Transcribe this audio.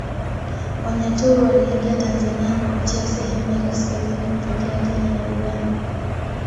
Wanyaturu waliingia Tanzania kupitia sehemu ya kaskazini kutokea Kenya na Uganda